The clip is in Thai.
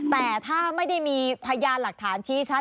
แต่ถ้าไม่ได้มีพยานหลักฐานชี้ชัด